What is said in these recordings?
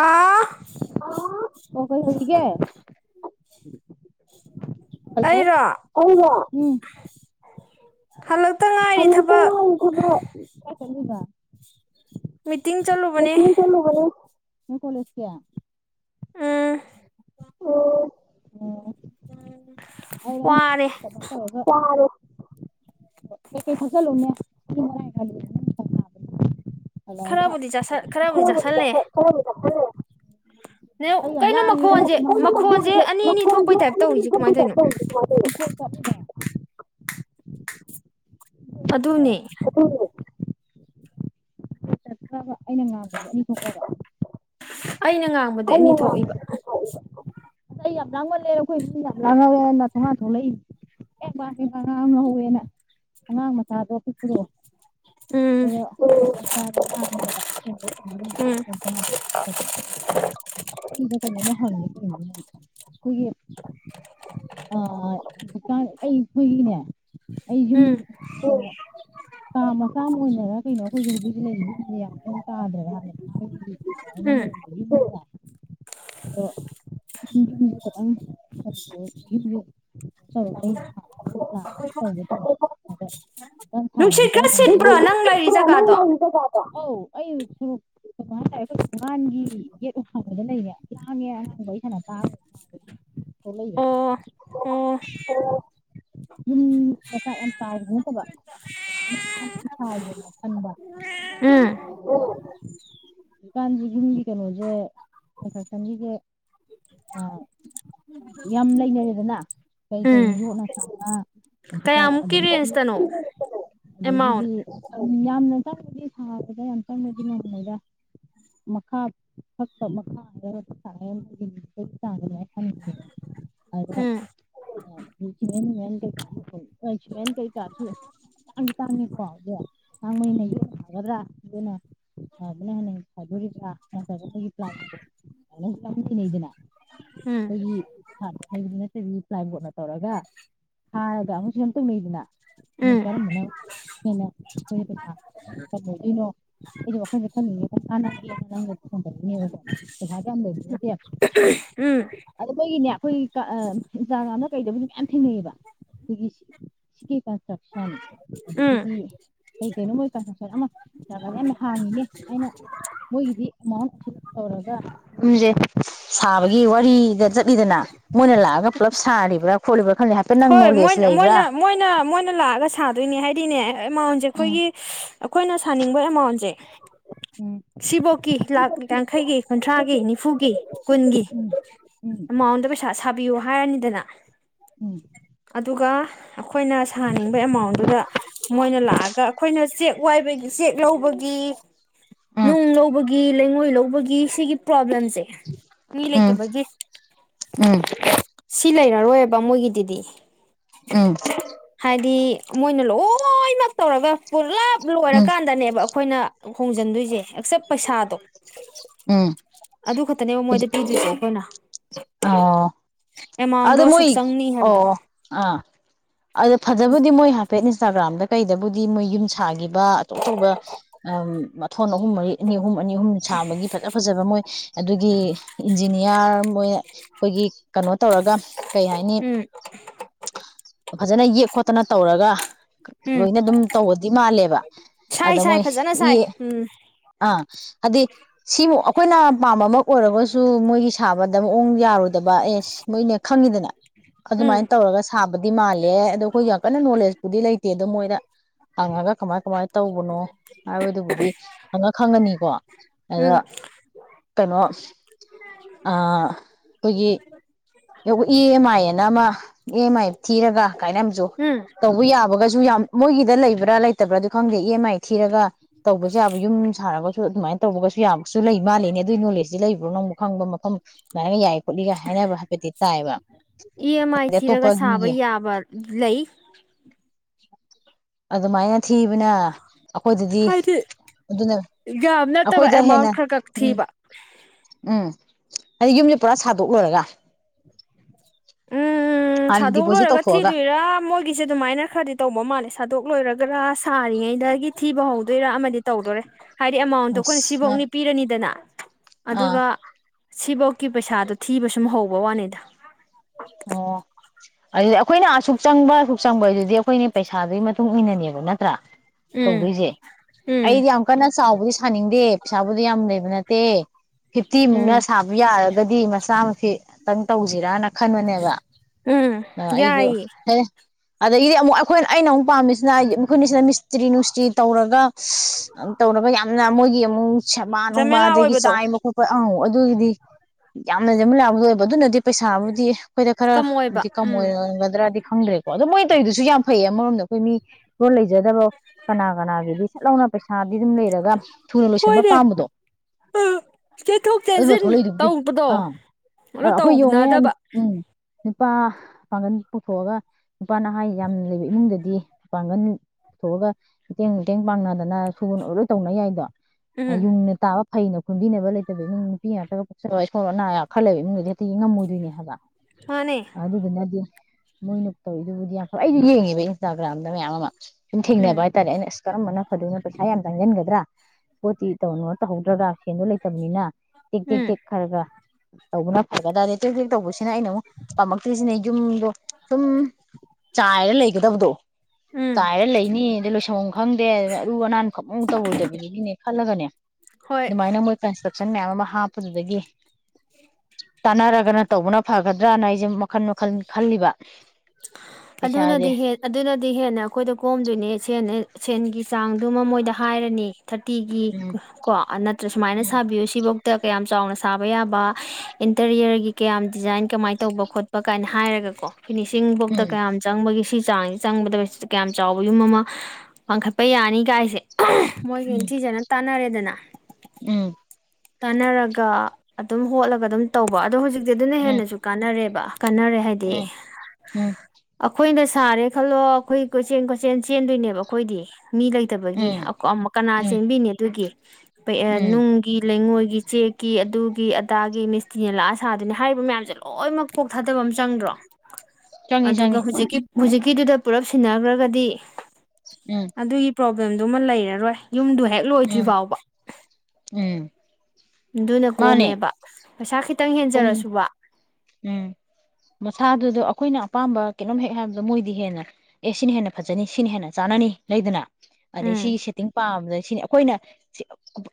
ꯑꯥ ꯑꯩꯔꯣ ꯍꯜꯂꯣꯝ ꯍꯜꯂꯛꯇ ꯉꯥꯏꯔꯤ ꯊꯕꯛ ꯍ ꯊ ꯃꯤꯇꯤꯡ ꯆꯠꯂꯨꯕꯅꯦ ꯑꯩꯣꯏ ꯀꯃ ꯃꯅꯦ ꯃꯤ ꯀꯣꯂꯦꯖ ꯀꯌꯥ ꯑꯣ ꯎ ꯋꯥꯔꯦ ꯌꯥꯔꯣ ꯀꯩꯀꯩ ꯊꯛꯆꯜꯂꯨꯅꯦ ꯃꯔꯥꯏ ꯍ ꯈꯔꯕꯨꯗꯤ ꯆꯥꯁꯜ ꯈꯔꯕꯨꯗꯤ ꯆꯥꯁꯜꯂꯦ ꯑꯩ ꯌꯥꯝ ꯀꯩꯅꯣ ꯂꯥꯡꯉꯦ ꯃꯈꯣꯟꯁꯦ ꯃꯈꯣꯟꯁꯦ ꯃꯈꯁ ꯑꯅꯤ ꯑꯅꯤ ꯊꯣꯛꯄꯩ ꯇꯥꯏꯞ ꯇꯧꯔꯤꯁꯦ ꯀꯃꯥꯏꯅ ꯇꯧꯔꯤꯅꯣ ꯏꯀꯣ ꯑꯗꯨꯅꯦ ꯆꯠꯄ꯭ꯔꯣ ꯑꯗꯨꯅꯦ ꯐꯕ꯭ꯔ ꯑꯩꯅ ꯉꯥꯡꯕꯁ ꯑꯅꯤ ꯊꯣꯛ ꯐꯕ ꯑꯩꯅ ꯉꯥꯡꯕꯗ ꯑꯅꯤ ꯊꯣꯛꯏꯕ ꯂꯩ ꯂꯥꯡꯃꯜꯂꯦ ꯑꯩꯈꯣꯏ ꯃꯤ ꯌꯥꯝ ꯂꯥꯡꯉꯜꯔꯦꯅ ꯊꯣꯡꯉꯥꯟ ꯊꯣꯛꯂꯛꯏꯕ ꯑꯦ ꯃꯥ ꯃꯥꯝ ꯉꯅ ꯍꯉꯥꯡ ꯃꯆꯥꯗꯄꯤꯁꯤꯨꯔꯣ ꯎꯝ [unintelligible] ꯎꯝ ꯍ ꯑꯩꯣꯏ ꯑ ꯑꯩꯈꯣꯢꯒꯤꯅꯦ ꯑꯩ ꯌꯨꯝ ꯎꯝ ꯀꯥ ꯃꯆꯥ ꯑꯃ ꯑꯣꯏꯅꯔ ꯀꯩꯅꯣ ꯑꯩꯈꯣꯏꯒꯤ ꯍꯧꯖꯤꯛꯀꯤ ꯂꯩꯔꯤꯕ ꯇꯥꯗ꯭ꯔꯦ ꯃꯥ ꯍ ꯎꯝ ꯃ [unintelligible] ꯀ [unintelligible] ꯇ [unintelligible] ꯅꯪ ꯊꯥꯕꯁꯤ ꯅꯨꯡꯁꯤꯠ ꯈꯔ ꯁꯤꯠꯄ꯭ꯔꯣ ꯅꯪ ꯂꯩꯔꯤ ꯖꯒꯥꯗꯣ [unintelligible] ꯍꯧ ꯑꯩ ꯀꯩꯅꯣ ꯍꯥꯏꯇꯥꯔꯦ ꯑꯩꯈꯣꯏ ꯊꯣꯡꯒꯥꯟꯒꯤ ꯒꯦꯠ ꯍꯥꯡꯕꯗ ꯂꯩꯔꯦ ꯂꯥꯡꯉꯦ ꯑꯉꯥꯡ ꯋꯥꯔꯤ ꯁꯥꯟꯅ ꯇꯥꯕ ꯊꯣꯛꯂꯛꯏꯕ ꯑꯣ ꯑꯣ ꯌꯨꯝ ꯃꯆꯥ ꯌꯥꯝ ꯆꯥꯎꯕꯁꯨ ꯅꯠꯇꯕ ꯌꯨꯝ ꯃꯆꯥ ꯃꯆꯥ ꯁꯥꯒꯦꯅ ꯈꯟꯕ ꯎꯝ ꯍꯧꯖꯤꯛꯀꯥꯟꯁꯦ ꯌꯨꯝꯒꯤ ꯀꯩꯅꯣꯁꯦ ꯀꯟꯁꯇ꯭ꯔꯛꯁꯟꯒꯤꯁꯦ ꯌꯥꯝ ꯂꯩꯅꯔꯦꯗꯅ ꯀꯩꯀꯩ ꯌꯣꯠꯅ ꯁꯥ ꯀꯩꯌꯃꯨꯛ ꯔꯦꯟꯁꯇꯅꯣ ꯑꯦꯃꯥꯎꯟ ꯑꯗꯒꯤꯗꯤ ꯌꯥꯝꯅ ꯆꯪꯕꯗꯤ ꯁꯥꯕꯗ ꯌꯥꯝ ꯆꯪꯕꯗꯤ ꯉꯝꯃꯣꯏꯗ ꯃꯈꯥ ꯐꯛꯄ ꯃꯈꯥ ꯍꯥꯏꯔꯒ ꯃꯈꯥ ꯍꯥꯏꯔꯒ ꯆꯥꯡꯗꯅꯦ ꯑꯩ ꯈꯪꯅꯤꯡꯉꯦ ꯑꯗꯨꯗ ꯎꯝ ꯆꯥꯁꯨ ꯌꯥꯗ꯭ꯔꯥ ꯑꯗꯨꯅ ꯂꯣ [unintelligible] ꯎꯝ ꯑꯩꯈꯣꯏꯒꯤ ꯁꯥꯠ ꯍꯩꯕꯗꯤ ꯍꯥꯏꯔꯒ ꯑꯃꯨꯛꯁꯦꯝ ꯇꯣꯛꯅꯩꯗꯅ ꯎꯝ ꯀꯔꯝꯕꯅ ꯍꯦꯟꯅ ꯑꯩꯈꯣꯏꯅ ꯄꯩꯁꯥ ꯗꯏꯅꯣ ꯑꯩꯁꯦ ꯋꯥꯈꯜꯁꯦ ꯈꯟꯅꯤꯡꯉꯦ ꯄꯁꯥ ꯅꯒꯦꯅ ꯅꯪꯒ ꯐꯣꯟꯗꯅꯦꯕꯀꯣ ꯄꯩꯁꯥꯗꯤ ꯌꯥꯝ ꯂꯩꯕ ꯅꯠꯇꯦꯕ ꯎꯝ ꯑꯗꯣ ꯃꯣꯏꯒꯤꯅꯦ ꯑꯩꯈꯣꯏ ꯏꯟꯁꯥꯒ꯭ꯔꯥꯝꯅ ꯀꯩꯗꯕꯨꯗꯤ ꯃꯌꯥꯝ ꯊꯦꯡꯅꯩꯕ ꯑꯩꯈꯣꯏꯒꯤ ꯁꯤꯒꯤ ꯀꯟꯁꯇ꯭ꯔꯛꯁꯟ ꯎꯝ ꯑꯗꯒꯤꯗꯤ ꯀꯩ ꯀꯩꯅꯣ ꯃꯣꯏ ꯀꯟꯁꯇ꯭ꯔꯛꯁꯟ ꯑꯃ ꯌꯥꯝ ꯍꯥꯡꯉꯤꯅꯦ ꯑꯩꯅ ꯃꯣꯏꯒꯤꯗꯤ ꯑꯦꯃꯥꯎꯟ ꯇꯧꯔꯒ ꯌꯨꯝꯁꯦ ꯁꯥꯕꯒꯤ ꯋꯥꯔꯤꯗ ꯆꯠꯂꯤꯗꯅ ꯃꯣꯏꯅ ꯂꯥꯛꯑꯒ ꯄꯨꯂꯞ ꯁꯥꯔꯤꯕ꯭ꯔꯥ ꯈꯣꯠꯂꯤꯕ꯭ꯔꯥ ꯈꯜꯂꯤ ꯍꯥꯏ ꯍꯣꯏ ꯃꯣꯏ ꯃꯣꯏꯅ ꯃꯣꯏꯅ ꯃꯣꯏꯅ ꯂꯥꯛꯑꯒ ꯁꯥꯗꯣꯏꯅꯦ ꯍꯥꯏꯗꯤꯅꯦ ꯑꯦꯃꯥꯎꯟꯁꯦ ꯎꯝ ꯑꯩꯈꯣꯏꯒꯤ ꯑꯩꯈꯣꯏꯅ ꯁꯥꯅꯤꯡꯕ ꯑꯦꯃꯥꯎꯟꯁꯦ ꯎꯝ ꯁꯤꯕꯣꯛꯀꯤ ꯂꯥꯛ ꯌꯥꯡꯈꯩꯒꯤ ꯀꯨꯟꯊ꯭ꯔꯥꯒꯤ ꯅꯤꯐꯨꯒꯤ ꯀꯨꯟꯒꯤ ꯎꯝ ꯑꯦꯃꯥꯎꯟꯗ ꯄꯩꯁꯥ ꯁꯥꯕ ꯕꯤꯌꯨ ꯍꯥꯏꯔꯅꯤꯗꯅ ꯎꯝ ꯑꯗꯨꯒꯥ ꯑꯩꯈꯣꯏꯅ ꯁꯥꯅꯤꯡꯕ ꯑꯦꯃꯥꯎꯟꯗꯨꯗ ꯃꯣꯏꯅ ꯂꯥꯛꯑꯒ ꯑꯩꯈꯣꯏꯅ ꯆꯦꯛ ꯋꯥꯏꯕꯒꯤ ꯆꯦꯛ ꯂꯧꯕꯒꯤ ꯎꯝ ꯅꯨꯡ ꯂꯧꯕꯒꯤ ꯒꯤ ꯂꯩꯉꯣꯏ ꯂꯧꯕ ꯁꯤꯒꯤ ꯄꯣꯕ꯭ꯂꯦꯝꯁ‌ꯦ ꯃꯤ ꯎꯝ ꯂꯩꯇꯕꯒꯤ ꯎꯝ ꯁꯤ ꯂꯩꯔꯥꯔꯣꯏꯑꯕ ꯃꯣꯏꯒꯤꯗꯤꯗꯤ ꯎꯝ ꯍꯥꯏꯗꯤ ꯃꯣꯏꯅ ꯂꯣꯏꯅꯥ ꯇꯧꯔꯒ ꯄꯨꯂꯞ ꯎꯝ ꯂꯣꯏꯔꯀꯥꯟꯗꯅꯦꯕ ꯑꯈ‌ꯣꯏ ꯑꯩꯈꯣꯏꯅ ꯍꯣꯡꯖꯟꯗꯣꯏꯁꯦ ꯑꯦꯛꯆꯦꯞ ꯄꯩꯁꯥꯗꯣ ꯎꯝ ꯇꯅꯦꯕ ꯃꯣꯏꯗ ꯄꯤꯗꯣꯏꯁ ꯑꯩꯈꯣꯏꯅ ꯑꯣ ꯑꯗ ꯑꯦꯃꯥꯎꯟꯗꯣ ꯑꯁꯨꯛ ꯃꯣꯌ ꯆꯪꯅꯤ ꯍꯥꯏꯕꯗꯣ ꯑꯣ ꯑꯥ ꯑꯗ ꯐꯖꯕꯕꯨꯗꯤ ꯃꯣꯏ ꯍꯥꯄꯦꯠ ꯏꯟꯁꯇꯥꯒ꯭ꯔꯥꯝꯗ ꯀꯩꯗꯕꯨꯗꯤ ꯃꯣꯏ ꯌꯨꯝ ꯁꯥꯈꯤꯕ ꯑꯆꯧ ꯑꯆꯧꯕ ꯎ ꯃꯊꯣꯟ ꯑꯍꯨꯝ ꯃꯔꯤ ꯑꯅꯤ ꯑꯍꯨꯝ ꯑꯅꯤ ꯑꯍꯨꯝ ꯁꯥꯕꯒꯤ ꯐꯖ ꯐꯖꯕ ꯃꯣꯏ ꯑꯗꯨꯒꯤ ꯒꯤ ꯏꯟꯖꯤꯅꯤꯌꯥꯔ ꯃꯣꯏ ꯑꯩꯈꯣꯏꯒꯤ ꯀꯩꯅꯣ ꯇꯧꯔꯒ ꯀꯩ ꯍꯥꯏꯅꯤ ꯎꯝ ꯐꯖꯅ ꯌꯦꯛ ꯈꯣꯠꯇꯅ ꯇꯧꯔꯒ ꯎꯝ ꯂꯣꯏꯅ ꯑꯗꯨꯝ ꯇꯧꯕꯗꯤ ꯃꯥꯜꯂꯦꯕ ꯁꯥꯏ ꯑꯗ ꯁꯥꯏ ꯐꯖꯅ ꯃꯣꯏꯣꯏ ꯁꯥꯏ ꯎꯝ ꯑꯥ ꯍꯥꯏꯗꯤ ꯁꯤꯕꯨ ꯑꯩꯈꯣꯏꯅ ꯄꯥꯝꯕ ꯑꯃ ꯑꯣꯏꯔꯒꯁꯨ ꯃꯣꯏꯒꯤ ꯁꯥꯕ ꯃꯑꯣꯡ ꯌꯥꯔꯣꯏꯗꯕ ꯑꯦꯁ ꯃꯣꯏꯅꯦ ꯈꯪꯉꯤꯗꯅ ꯎꯝ ꯑꯗꯨꯃꯥꯏꯅ ꯇꯧꯔꯒ ꯁꯥꯕ ꯃꯂꯦ ꯑꯗꯨ ꯌꯥꯝ ꯀꯅꯥ ꯀꯅꯣꯂ‌ꯦꯖꯄꯨꯗꯤ ꯂꯩꯇꯦ ꯑꯗꯨ ꯃꯣꯏꯗ ꯍꯉꯒꯥ꯫ ꯀꯃꯥꯏ ꯀꯃꯥꯏꯅ ꯇꯧꯕꯅꯣ ꯍꯥꯏꯕꯗꯨꯕꯨꯗꯤ ꯈꯪꯅ ꯈꯪꯉꯅꯤꯀꯣ ꯑꯗ ꯎꯝ ꯀꯩꯅꯣ ꯑꯥ ꯑꯩꯈꯣꯏꯒꯤ ꯏ ꯑꯦꯝ ꯑꯥꯏ ꯑꯅ ꯑꯃ ꯏ ꯑꯦꯝ ꯑꯥꯏ ꯊꯤꯔꯒ ꯀꯥꯏꯅ ꯑꯃꯁꯨ ꯎꯝ ꯇꯧꯕ ꯌꯥꯕꯒꯥꯁꯨ ꯨ ꯌꯥꯝ ꯃꯣꯏꯒꯤꯗ ꯂꯩꯕ꯭ꯔꯥ ꯂꯩꯇꯕ꯭ꯔꯥ ꯑꯗꯨ ꯈꯪꯗꯦ ꯏ ꯑꯦꯝ ꯑꯥꯏ ꯊꯤꯔꯒ ꯇꯧꯕꯁꯨꯦ ꯌꯥꯕ ꯌꯨꯝ ꯁꯥꯔꯒ [unintelligible] ꯇꯧꯕꯒꯁꯨ ꯌꯥꯕꯁꯨ ꯂꯩ ꯃꯥꯜꯂꯤꯅꯦ ꯑꯗꯨꯒꯤ ꯅꯣꯂꯦꯖꯇꯁꯤ ꯂꯩꯕ꯭ꯔꯣ ꯅꯪꯕꯨ ꯈꯪꯕ ꯃꯐꯝ ꯑꯗꯨꯃꯥꯏꯅ ꯌꯥꯏ ꯈꯣꯠꯂꯤꯒ ꯍꯥꯏꯅꯕ ꯇꯥꯏꯌꯦꯕ ꯏ ꯑꯦꯝ ꯑꯥꯏ ꯑꯗꯩ ꯑꯇꯣꯞꯄ ꯊꯤꯔꯒ ꯁꯥꯕ ꯃꯤꯒꯤ ꯌꯥꯕ ꯂꯩ ꯑꯗꯨꯗ ꯃꯌꯥ ꯊꯤꯕꯅ ꯑꯩꯈꯣꯏꯗꯗꯤ ꯍꯥꯏꯗꯤ ꯑꯗꯨꯅ ꯌꯥꯝ ꯅꯠꯇꯕ ꯑꯩꯈꯣꯏꯗ ꯑꯦꯃꯥꯎꯟ ꯍꯦꯟꯅ ꯈꯔ ꯈꯛ ꯎꯝ ꯊꯤꯕ ꯎꯝ ꯑꯗꯤ ꯌꯨꯝꯁꯦ ꯄꯨꯔꯥ ꯁꯥꯗꯣꯛꯂꯨꯔꯒ ꯎꯝ ꯎꯝ ꯍꯥꯟꯅ ꯁꯥꯗꯣꯛ ꯗꯤꯄꯣꯖꯤꯠ ꯂꯣꯏꯔꯒ ꯇꯧꯊꯣꯛꯑꯒ ꯊꯤꯗꯣꯏꯔꯥ ꯃꯣꯏꯒꯤꯁꯦ ꯑꯗꯨꯃꯥꯏꯅ ꯈꯔꯗꯤ ꯇꯧꯕ ꯃꯥꯜꯂꯦ ꯁꯥꯗꯣꯛ ꯂꯣꯏꯔꯒꯔꯥ ꯁꯥꯔꯤꯉꯩꯗꯒꯤ ꯊꯤꯕ ꯍꯧꯗꯣꯏꯔꯥ ꯑꯃꯗꯤ ꯇꯧꯗꯣꯏꯣꯔꯦ ꯍꯥꯏꯗꯤ ꯑꯦꯃꯥꯎꯟꯇꯣ ꯑ ꯑꯩꯈꯣꯏꯅ ꯁꯤꯐꯧꯅꯤ ꯄꯤꯔꯅꯤꯗꯅ ꯑꯥ ꯑꯗꯨꯒ ꯁꯤꯐꯧꯀꯤ ꯄꯩꯁꯥꯗꯣ ꯊꯤꯕ ꯁꯨꯝ ꯍꯧꯕ ꯋꯥꯅꯤꯗ ꯑꯣ ꯑꯩꯅ ꯑꯩꯈꯣꯏꯅ ꯑꯁꯨꯛ ꯆꯪꯕ ꯆꯪꯕꯩꯗꯨꯗꯤ ꯑꯩꯈꯣꯏꯅꯦ ꯄꯩꯁꯥꯗꯨꯒꯤ ꯃꯇꯨꯡ ꯏꯟꯅꯅꯦꯕ ꯅꯠꯇ꯭ꯔꯥ ꯎꯝ ꯇꯧꯗꯣꯏꯁꯦ ꯎꯝ ꯑꯩꯗꯤ ꯌꯥꯝ ꯀꯟꯅ ꯆꯥꯎꯕꯨꯗꯤ ꯁꯥꯅꯤꯡꯗꯦ ꯄꯩꯁꯥꯕꯨꯗꯤ ꯌꯥꯝ ꯂꯩꯕ ꯅꯠꯇꯦ ꯇ ꯐꯤꯐꯇꯤ ꯃꯨꯛꯅ ꯎꯝ ꯁꯥꯕ ꯌꯥꯔꯒꯗꯤ ꯃꯆꯥ ꯃꯐꯤꯛꯇꯪ ꯇꯧꯁꯤꯔꯅ ꯃꯅꯦꯕ ꯎꯝ ꯑꯩꯗꯨ ꯌꯥꯏꯌꯦ ꯍ ꯑꯗꯒꯤꯗꯤ ꯑꯃꯨꯛ ꯑꯩꯈꯣꯏꯅ ꯑꯩꯅ ꯑꯃꯨꯛ ꯄꯥꯝꯃꯤꯁꯤꯅ ꯃꯈꯣꯏꯅꯤꯁꯤꯅ ꯃꯤꯁ ꯇ꯭ꯔꯤ ꯅꯨꯡꯁꯇꯤꯔꯤ ꯇꯧꯔꯒ ꯇꯧꯔꯒ ꯌꯥꯝꯅ ꯃꯣꯏꯒꯤ ꯑꯃꯨꯛ ꯁꯦꯕꯥ ꯅꯨꯡꯕ ꯖꯃꯦꯂꯥ ꯑꯗꯒꯤ ꯑꯣꯏꯕꯗꯣ ꯆꯥꯏꯕ ꯈꯣꯠꯄ ꯑ ꯑꯗꯨꯒꯤꯗꯤ ꯌꯥꯝꯅꯖꯃ ꯂꯥꯛꯕꯗ ꯑꯣꯏꯕ ꯑꯗꯨꯅꯗꯤ ꯄꯩꯁꯥ ꯗꯤ ꯑꯩꯈꯣꯏꯗ ꯀꯝ ꯑꯣꯏꯕ ꯈꯔꯕꯨꯗꯤ ꯀꯝ ꯎꯝ ꯑꯣꯏꯔꯝꯒꯗ꯭ꯔꯥ ꯈꯪꯗ꯭ꯔꯦꯀꯣ ꯑꯗꯣ ꯃꯣꯏ ꯇꯧꯔꯤꯗꯨꯁꯨ ꯌꯥꯝ ꯐꯩꯌꯦ ꯑꯃꯔꯣꯝꯗ ꯑꯩꯈꯣꯏ ꯃꯤ ꯂꯣꯟ ꯂꯩꯖꯗꯕ ꯀꯅꯥ ꯀꯅꯥꯒꯤꯗꯤ ꯆꯠ ꯂꯥꯎꯅ ꯄꯩꯁꯥꯗꯤ ꯑꯗꯨꯝ ꯂꯩꯔꯒ ꯊꯨꯅ ꯂꯣꯏꯁꯤꯟꯕ ꯍꯣꯏꯅꯦ ꯄꯥꯝꯕꯗꯣ ꯑꯥ ꯆꯦꯟꯊꯣꯛ ꯑꯗꯨꯝꯕ ꯆꯦꯟꯁꯤꯟ ꯊꯣꯛꯂꯛꯏꯗꯨꯕꯨꯗꯤ ꯇꯧꯕꯗꯣ ꯑꯥ ꯑ ꯑꯗꯨ ꯑꯩꯈꯣꯏ ꯌꯦꯡꯉꯦ ꯇꯧꯅꯗꯕ ꯎꯝ ꯅꯨꯄꯥ ꯃꯄꯥꯡꯒꯜ ꯄꯨꯊꯣꯛꯑꯒ ꯅꯨꯄꯥꯅ ꯍꯥꯏ ꯌꯥꯝꯅ ꯂꯩꯕ ꯏꯃꯨꯡꯗꯗꯤ ꯄꯥꯡꯒꯜ ꯄꯨꯊꯣꯛꯑꯒ ꯃꯇꯦꯡ ꯃꯇꯦꯡ ꯄꯥꯡꯅꯗꯅ ꯁꯨꯅ ꯂꯣꯏ ꯇꯧꯅ ꯌꯥꯏꯗꯣ ꯎꯝ ꯌꯨꯝꯅꯦ ꯇꯥꯕ ꯍꯩꯅ ꯈ ꯈꯨꯟꯕꯤꯅꯕ ꯂꯩꯇꯕ ꯏꯃꯨꯡ ꯅꯨꯄꯤ ꯉꯥꯛꯇꯒ ꯄꯛꯆꯔꯒ ꯏꯁꯀꯣꯜ ꯑꯅꯥꯌꯥ ꯈꯜꯂꯦꯕ ꯏꯃꯨꯡꯗꯨꯗꯤ ꯍꯦꯛꯇꯗꯤ ꯉꯝꯃꯣꯏꯗꯣꯏꯅꯦ ꯍꯥꯏꯕ ꯃꯥꯅꯦ ꯑꯗꯨꯗꯤ ꯅꯗꯤ ꯃꯣꯏꯅ ꯇꯧꯋꯔꯤꯗꯨꯕꯨꯗꯤ ꯌꯥꯝ ꯐꯦ ꯑꯩꯁꯨ ꯌꯦꯡꯉꯦꯕ ꯏꯟꯁꯇꯥꯒ꯭ꯔꯥꯝꯗ ꯃꯌꯥꯝ ꯑꯃ ꯁꯨꯝ ꯎꯝ ꯊꯦꯡꯅꯕ ꯍꯥꯏꯇꯥꯔꯦ ꯑꯩꯅ ꯑꯁ ꯀꯔꯝꯕꯅ ꯐꯗꯣꯏꯅ ꯐ ꯍꯥꯏ ꯌꯥꯝ ꯆꯪꯁꯤꯟꯒꯗ꯭ꯔꯥ ꯄꯣꯠꯇꯤ ꯇꯧꯅꯣ ꯇꯧꯍꯧꯗ꯭ꯔꯒ ꯁꯦꯟꯗꯣ ꯂꯩꯇꯕꯅꯤꯅ ꯊꯛ ꯊꯛ ꯎꯝ ꯊꯛ ꯈꯔꯒ ꯇꯧꯕꯅ ꯐꯒꯅꯤ ꯇꯣꯏ ꯇꯣꯏ ꯇꯧꯕꯁꯤ ꯑꯩꯅ ꯃꯨ ꯄꯥꯝꯃꯛꯇ꯭ꯔꯤ ꯖꯤꯅ ꯌꯨꯝꯗꯣ ꯁꯨꯝ ꯆꯥꯏꯔ ꯂꯩꯒꯗꯕꯗꯣ ꯎꯝ ꯆꯥꯏꯔ ꯂꯩꯅꯤ ꯑꯗꯩ ꯂꯣꯏꯁꯟꯕꯝ ꯈꯪꯗꯦ ꯑꯔꯨ ꯑꯅꯥꯟ ꯈꯛ ꯃꯨ ꯇꯧꯔꯣꯏꯗꯕꯗꯨꯒꯤꯅꯦ ꯈꯜꯂꯒꯅꯦ ꯍꯣꯏ ꯑꯗꯨꯃꯥꯏꯅ ꯃꯣꯏ ꯀꯟꯁꯇ꯭ꯔꯛꯁꯟ ꯃꯌꯥꯝ ꯑꯃ ꯍꯥꯞꯄꯗꯨꯗꯒꯤ ꯇꯅꯥꯔꯒꯅ ꯇꯧꯕꯅ ꯐꯒꯗ꯭ꯔꯥꯅ ꯑꯩꯖꯦ ꯃꯈꯜ ꯃꯈꯜ ꯈꯜꯂꯤꯕ ꯄꯩꯁꯥꯁꯦ ꯑꯗꯨꯅꯗꯤ ꯍꯦꯠ ꯑꯗꯨꯅꯗꯤ ꯍꯦꯟꯅ ꯑꯩꯈꯣꯏꯗ ꯀꯣꯝꯗꯣꯏꯅꯦ ꯁꯦꯟꯅ ꯁꯦꯟꯒꯤ ꯆꯥꯡꯗꯨꯃ ꯃꯣꯏꯗ ꯍꯥꯏꯔꯅꯤ ꯊꯥꯔꯇꯤꯒꯤ ꯎꯝ ꯀꯣ ꯑꯥ ꯅꯠꯇ꯭ꯔ ꯁꯨꯃꯥꯏꯅ ꯎꯝ ꯁꯥꯕꯤꯌꯨ ꯁꯤꯕꯧ ꯇ ꯀꯌꯥꯝ ꯆꯥꯎꯅ ꯁꯥꯕ ꯌꯥꯕ ꯏꯟꯇꯔꯤꯌꯔꯒꯤ ꯀꯌꯥꯝ ꯗꯤꯖꯥꯏꯟ ꯀꯃꯥꯏꯅ ꯇꯧꯕ ꯈꯣꯠꯄ ꯀꯥꯏꯅ ꯍꯥꯏꯔꯒꯀꯣ ꯐꯤꯅꯤꯁꯤꯡ ꯆꯤꯡꯕꯣꯛꯇ ꯎꯝ ꯀꯌꯥꯝ ꯆꯪꯕꯒꯤ ꯁꯤ ꯆꯥꯡꯖꯦ ꯆꯪꯕꯗ ꯄꯩꯁ ꯀꯌꯥꯝ ꯆꯥꯎꯕ ꯌꯨꯝ ꯑꯃ ꯄꯥꯡꯈꯠꯄ ꯌꯥꯅꯤ ꯀꯥꯏꯁꯦ ꯑꯥ ꯃꯣꯏꯒ ꯎꯝ ꯏꯪꯊꯤꯖꯅ ꯇꯥꯟꯅꯔꯦ ꯅꯅꯥ ꯎꯝ ꯇꯥꯟꯅꯔꯒ ꯑꯗꯨꯝ ꯍꯣꯠꯂꯒ ꯑꯗꯨꯝ ꯇꯧꯕ ꯑꯗꯣ ꯍꯧꯖꯤꯛ ꯑꯗꯨꯅ ꯎꯝ ꯍꯦꯟꯅꯁꯨ ꯀꯥꯟꯅꯔꯦꯕ ꯄꯥꯥ ꯀꯟꯅꯔꯦ ꯍꯥꯏꯗꯤ ꯎꯝ ꯎꯝ ꯑꯈꯣꯏꯅ ꯁꯥꯔꯦ ꯈꯜꯂꯣ ꯑꯩꯈꯣꯏ ꯀꯣꯏꯆꯦꯟ ꯀꯣꯏꯆꯦꯟ ꯆꯦꯟꯗꯣꯏꯅꯦꯕ ꯑꯩꯈꯣꯏꯗꯤ ꯃꯤ ꯂꯩꯇꯕꯒꯤ ꯎꯝ ꯑꯥ ꯀꯣꯃ ꯑꯥ ꯀꯅꯥ ꯎꯝ ꯆꯦꯟꯕꯤꯅꯤ ꯑꯗꯨꯒꯤ ꯄꯦꯑꯥ ꯎꯝ ꯅꯨꯡꯒꯤ ꯂꯩꯉꯣꯏꯒꯤ ꯆꯦꯛꯀꯤ ꯑꯗꯨꯒꯤ ꯑꯗꯥꯒꯤ ꯃꯤꯁꯇꯤꯅ ꯂꯥꯛ ꯑ ꯁꯥꯗꯨꯅꯤ ꯍꯥꯏꯔꯤꯕ ꯃꯌꯥꯝꯖꯦ ꯂꯣꯏꯅꯃꯛ ꯀꯣꯛ ꯊꯥꯗꯕ ꯑꯃ ꯆꯪꯗ꯭ꯔꯣ ꯆꯪꯉꯤ ꯑꯗꯨꯒ ꯆꯪꯉꯤ ꯍꯨꯖꯤꯛꯀꯤ ꯍꯨꯖꯤ ꯃꯤꯗꯨꯗ ꯄꯨꯔꯞ ꯁꯤꯟꯅꯒꯔꯒꯗꯤ ꯎꯝ ꯑꯗꯨꯒꯤ ꯄꯔꯣꯕꯂꯦ ꯄ꯭ꯔꯣꯕ꯭ꯂꯦꯝꯗꯨꯃ ꯂꯩꯔꯔꯣꯏ ꯌꯨꯝꯗꯣ ꯍꯦꯛ ꯂꯣꯏꯗ꯭ꯔꯤ ꯎꯝ ꯐꯥꯎꯕ ꯎꯝ ꯑꯗꯨꯅ ꯃꯥꯅꯦ ꯀꯣꯝꯃꯦꯕ ꯄꯩꯁꯤꯈꯤꯠ ꯈꯤꯇꯪ ꯀꯨꯝ ꯍꯦꯟꯖꯔꯁꯨꯕ ꯎꯝ ꯃꯁꯥꯗꯨꯗꯣ ꯑꯩꯈꯣꯏꯅ ꯑꯄꯥꯝꯕ ꯀꯩꯅꯣꯝ ꯍꯦꯛ ꯍꯥꯏꯕꯗꯣ ꯃꯣꯏꯗꯤ ꯍꯦꯟꯅ ꯑꯦ ꯁꯤꯅ ꯍꯦꯟꯅ ꯐꯖꯅꯤ ꯁꯤꯅ ꯍꯦꯟꯅ ꯆꯥꯅꯅꯤ ꯂꯩꯗꯅ ꯑꯗꯩ ꯁꯤ ꯎꯝ ꯁꯦꯇꯤꯡ ꯄꯥꯝꯗ ꯁꯤꯅꯦ ꯑꯩꯈꯣꯏꯅ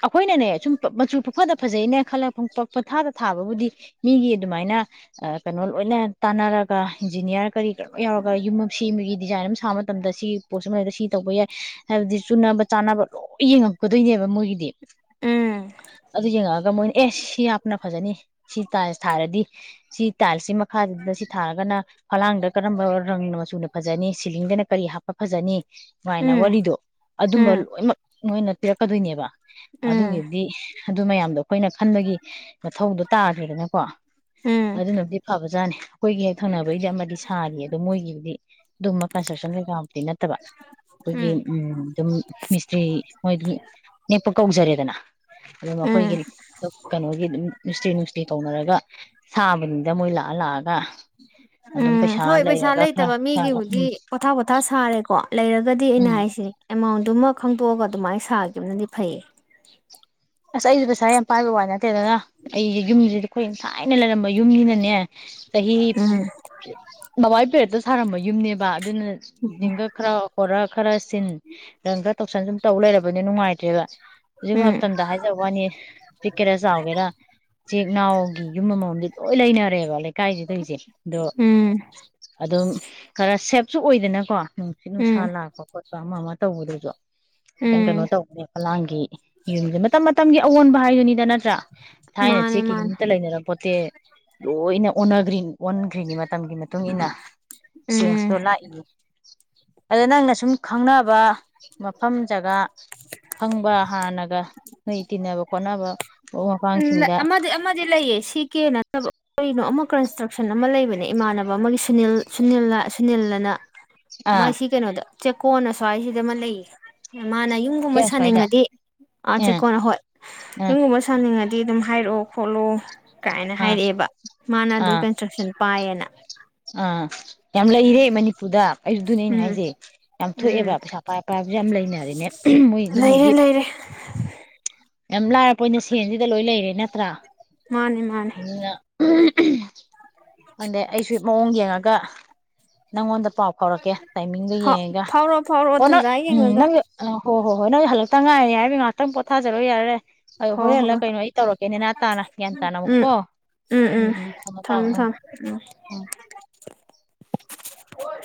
ꯑꯩꯈꯣꯏꯅꯅꯦ ꯁꯨꯝ ꯃꯆꯨ ꯄꯣꯛꯐꯗ ꯐꯖꯩꯅ ꯈꯜꯂꯒ ꯄꯛ ꯄꯊꯥꯗ ꯊꯥꯕꯕꯨꯗꯤ ꯃꯤꯒꯤ ꯑꯗꯨꯃꯥꯏꯅ ꯀꯩꯅꯣ ꯂꯣꯏꯅ ꯇꯥꯟꯅꯔꯒ ꯏꯟꯖꯤꯅꯤꯌꯥꯔ ꯀꯔꯤ ꯀꯩꯅꯣ ꯌꯥꯎꯔꯒ ꯌꯨꯝ ꯑꯃ ꯁꯦꯝꯕꯒꯤ ꯗꯤꯖꯥꯏꯟ ꯑꯃ ꯁꯥꯃ ꯃꯇꯝꯗ ꯁꯤ ꯄꯣꯠꯁꯤ ꯃꯔꯛꯇ ꯁꯤ ꯇꯧꯕ ꯌꯥꯏ ꯍꯥꯏꯕꯗꯤ ꯆꯨꯅꯕ ꯆꯥꯅꯕ ꯂꯣꯏ ꯌꯦꯡꯉꯛꯀꯗꯣꯏꯅꯦꯕ ꯃꯣꯏꯒꯤꯗꯤ ꯎꯝ ꯑꯗꯨ ꯌꯦꯡꯉꯛꯑꯒ ꯃꯣꯏꯅ ꯑꯦ ꯁꯤ ꯌꯥꯝꯅ ꯐꯖꯅꯤ ꯁꯤ ꯊꯥꯔꯗꯤ ꯁꯤ ꯇꯥꯏꯜꯁꯤ ꯃꯈꯥꯗ ꯁꯤ ꯊꯥꯔꯒꯅ ꯐꯂꯥꯡꯗ ꯀꯔꯝꯕ ꯔꯪꯅ ꯃꯆꯨꯅ ꯐꯖꯅꯤ ꯁꯤꯂꯤꯡꯗꯅ ꯀꯔꯤ ꯍꯥꯞꯄ ꯐꯖꯅꯤ ꯁꯨꯃꯥꯏꯅ ꯎꯝ ꯋꯥꯔꯤꯗꯣ ꯑꯗꯨꯝꯕ ꯎꯝ ꯂꯣꯏꯅꯃꯛ ꯅꯣꯏꯅ ꯄꯤꯔꯛꯀꯗꯣꯏꯅꯦꯕ ꯎꯝ ꯑꯗꯨꯒꯤꯗꯤ ꯑꯗꯨ ꯃꯌꯥꯝꯗꯣ ꯑꯩꯈꯣꯏꯅ ꯈꯟꯕꯒꯤ ꯃꯊꯧꯗꯣ ꯇꯥꯗ꯭ꯔ‌ꯦꯗꯅ ꯀꯣ ꯎꯝ ꯑꯗꯨꯅꯗꯤ ꯐꯥꯕꯁ ꯑꯣꯖꯥꯅꯦ ꯑꯩꯈꯣꯏꯒꯤ ꯍꯦꯛ ꯊꯪꯅꯕꯒꯤꯗꯤ ꯑꯃꯗꯤ ꯁꯥꯔꯤ ꯑꯗꯣ ꯃꯣꯏꯒꯤꯗꯤ ꯑꯗꯨꯝꯕ ꯀꯟꯁꯇ꯭ꯔꯛꯁꯟ ꯀꯩꯀꯥꯃꯛꯇꯤ ꯅꯠꯇꯕ ꯑꯩꯈꯣꯏꯒꯤ ꯎꯝ ꯑꯗꯨꯝ ꯃꯤꯁꯇ꯭ꯔꯤ ꯃꯣꯏ ꯅꯦꯛꯄ ꯀꯧꯖꯔꯦꯗꯅ ꯑꯗꯨ ꯃꯈꯣꯏꯒꯤ ꯎꯝ ꯀꯩꯅꯣꯒꯤ ꯎꯝ ꯃꯤꯁꯇꯔꯤ ꯅꯨꯡꯁꯇꯤ ꯇꯧꯅꯔꯒ ꯁꯥꯕꯅꯤꯗ ꯃꯣꯏ ꯂꯥꯛꯑ ꯂꯥꯛꯑꯒ ꯑꯗꯨꯝ ꯎꯝ ꯍꯣꯏ ꯄꯩꯁꯥ ꯂꯩꯔꯒ ꯈꯔ ꯂꯩꯇꯕ ꯁꯥꯒ ꯃꯤꯒꯤꯕꯨꯛ ꯎꯝ ꯄꯣꯊꯥ ꯄꯣꯊꯥ ꯁꯥꯔꯦꯀꯣ ꯂꯩꯔꯒꯗꯤ ꯑꯩꯅ ꯎꯝ ꯍꯥꯏꯁꯤꯦ ꯑꯦꯃꯥꯎꯟꯗꯨꯃꯛ ꯈꯪꯗꯣꯛꯑꯒ ꯑꯗꯨꯃꯥꯏꯅ ꯁꯥꯈꯤꯕꯅꯗꯤ ꯐꯩꯌꯦ ꯑꯁ ꯑꯩꯁ ꯄꯩꯁꯥ ꯌꯥꯝ ꯄꯥꯏꯕ ꯋꯥꯅꯦ ꯇꯔ ꯑꯩꯨꯝ ꯑꯩꯈꯣꯏ ꯌꯥꯝ ꯊꯥꯏꯅ ꯂꯩꯔꯝꯕ ꯌꯨꯝꯅꯤꯅꯅꯦ ꯇꯍꯤ ꯎꯝ ꯃꯕꯥ ꯄꯦꯔꯗ ꯊꯔꯝꯕ ꯌꯨꯝꯅꯦꯕ ꯑꯗꯨꯅ ꯦꯡꯈꯛ ꯈꯔ ꯈꯔ ꯈꯔ ꯁꯤꯟ ꯅꯪ ꯈꯔ ꯇꯧꯁꯟ ꯁꯨꯝ ꯇꯧ ꯂꯩꯔꯕꯅꯤ ꯅꯨꯡꯉꯥꯏꯇ꯭ꯔꯦꯕ ꯎꯝ ꯑꯗꯨ ꯃꯇꯝꯗ ꯍꯥꯏꯖꯕ ꯋꯥꯅꯤ ꯄꯤꯛꯀꯦꯔꯥ ꯆꯥꯎꯒꯦꯔꯥ ꯆꯦꯛ ꯅꯥꯎꯒꯤ ꯌꯨꯝ ꯑꯃꯃꯝꯗꯤ ꯂꯣꯏ ꯂꯩꯅꯔꯦꯕ ꯂꯩꯀꯥꯏꯁꯤꯗꯩꯁꯦ ꯑꯗꯣ ꯎꯝ ꯑꯗꯨꯝ ꯈꯔ ꯁꯦꯞꯁꯨ ꯑꯣꯏꯗꯅꯀꯣ ꯅꯨꯡꯁꯤꯠ ꯅꯨꯡꯁꯥ ꯎꯝ ꯂꯥꯛꯄ ꯈꯣꯠ ꯑꯃ ꯃꯥꯇ ꯎꯗꯗꯣ ꯇꯪ ꯀꯩꯅꯣ ꯎꯝ ꯇꯧ ꯂ ꯎ ꯌꯨꯝꯁꯦ ꯃꯇꯝ ꯃꯇꯝꯒꯤ ꯑꯑꯣꯟꯕ ꯍꯥꯏꯗꯨꯅꯤꯗ ꯅ ꯅꯠꯇ꯭ꯔꯥ ꯊꯥꯏꯅ ꯃꯥꯅꯦ ꯃꯥꯅꯦ ꯆꯦꯛꯀꯤꯒꯨꯝꯛꯇ ꯂꯩꯅꯔ ꯄꯣꯠꯇꯦ ꯂꯣꯏꯅ ꯑꯣꯟꯅꯒ꯭ꯔꯤꯟ ꯑꯣꯟꯈ꯭ꯔꯤꯟꯒꯤ ꯃꯇꯝꯒꯤ ꯃꯇꯨꯡ ꯏ ꯃꯇꯨꯡꯏꯟꯅ ꯎꯝ ꯆꯦꯟꯁꯇꯣ ꯂꯥꯛꯏꯅꯦ ꯑꯗ ꯅꯪꯅ ꯁꯨꯝꯃ ꯈꯪꯅꯕ ꯃꯐꯝ ꯖꯒꯥ ꯈꯪꯕ ꯍꯥꯟꯅ ꯒ ꯅꯣꯏ ꯇꯤꯟꯅꯕ ꯈꯣꯠꯅꯕ ꯃꯔꯨꯞ ꯎꯝ ꯃꯄꯥꯡꯁꯤꯡꯗ ꯑꯃꯗꯤ ꯑꯃꯗꯤ ꯂꯩꯌꯦ ꯁꯤ ꯀꯦ ꯅꯠꯇꯕ ꯀꯔꯤꯅꯣ ꯑꯃ ꯀꯟꯁꯇ꯭ꯔꯛꯁꯟ ꯑꯃ ꯂꯩꯕꯅꯦ ꯏꯃꯥꯟꯅꯕ ꯑꯃꯒꯤ ꯁꯨꯅꯤꯜ ꯁꯨꯅꯤꯜ ꯁꯨꯅꯤꯜꯑꯅ ꯑꯥ ꯃꯥꯏꯁꯤ ꯀꯩꯅꯣꯗ ꯆꯦꯛꯀꯣꯟ ꯑꯁ꯭ꯋꯥꯏ ꯖꯤꯗ ꯑꯃ ꯂꯩꯌꯦ ꯃꯥꯅ ꯌꯨꯝꯒꯨꯝꯕ ꯀꯌꯥ ꯁ꯭ꯋꯥꯏꯗ ꯁꯥꯅꯤꯡꯉꯗꯤ ꯑꯥ ꯑꯥꯆꯦꯛꯀꯣꯟ ꯍꯣꯏ ꯑꯥ ꯌꯨꯝꯒꯨꯝꯕ ꯁꯥ ꯅꯤꯡꯉꯗꯤ ꯑꯗꯨꯝ ꯍꯥꯏꯔꯛꯑꯣ ꯈꯣꯠꯂꯣ ꯀꯥꯏꯅ ꯑꯥ ꯍꯥꯏꯔꯛꯑꯦꯕ ꯃꯥꯅ ꯑꯗꯨꯏ ꯑꯥ ꯀꯟꯁꯇ꯭ꯔꯛꯁꯟ ꯄꯥꯏꯑꯅ ꯑꯥ ꯌꯥꯝ ꯂꯩꯔꯦ ꯃꯅꯤꯄꯨꯔꯗ ꯗꯨꯅꯦ ꯑꯩꯅ ꯎꯝ ꯍꯥꯏꯖꯦ ꯌꯥꯝ ꯎꯝ ꯊꯣꯛꯑꯦꯕ ꯄꯩꯁꯥ ꯄꯥꯏ ꯄꯥꯏꯕꯖꯨ ꯌꯥꯝ ꯂꯩꯅꯔꯦꯅꯦ ꯃꯣꯏ ꯂꯩꯔꯦ ꯑꯗꯨꯝꯕꯒꯤ ꯂꯩꯔꯦ ꯌꯥꯝ ꯂꯥꯏꯔꯄꯣꯠꯅꯤ ꯁꯦꯟꯖꯤꯗ ꯂꯣꯏ ꯂꯩꯔꯦ ꯅꯠꯇ꯭ꯔꯥ ꯃꯥꯅꯦ ꯃꯥꯅꯦ [unintelligible] ꯑꯗꯦ ꯑꯁꯨ ꯃꯑꯣꯡ ꯌꯦꯡꯉꯛ ꯀꯥ ꯅꯪꯉꯣꯟꯗ ꯄꯥꯎ ꯐꯥꯎꯔꯛꯀꯦ ꯇꯥꯏꯃꯤꯡꯗꯨ ꯌꯦꯡꯉꯒ ꯐꯥꯎꯔꯛꯑꯣ ꯐꯥꯎꯔꯛꯑꯣ ꯑꯣ ꯅꯪ ꯇꯟꯖꯥ ꯎꯝ ꯌꯦꯡꯉꯒ ꯅꯪ ꯑ ꯍꯣ ꯍꯣ ꯍꯣꯏ ꯅꯪ ꯍꯜꯂꯛꯇ ꯉꯥꯏꯔꯤꯅꯤ ꯍꯥꯏꯕꯩ ꯉꯥꯇꯪ ꯄꯣꯊꯥꯖ ꯖꯔꯣ ꯌꯥꯔꯦ ꯑꯩ ꯍꯣ ꯍꯣꯔꯦꯜꯂ ꯍꯣꯏ ꯍꯣꯏ ꯀꯩꯅꯣ ꯑꯩ ꯇꯧꯔꯛꯀꯦ ꯅꯦꯅ ꯇꯥꯅ ꯒ꯭ꯌꯥꯟ ꯇꯥꯅ ꯎꯝ ꯑꯃꯨꯛꯀꯣ ꯎꯝ ꯎꯝ ꯊꯝꯃꯣ ꯇꯥꯝ ꯎꯝ ꯎꯝ [unintelligible]